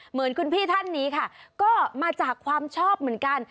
เหมือนคุณพี่ท่านนี้ค่ะก็มาจากความชอบเหมือนกัน